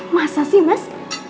masa sih mas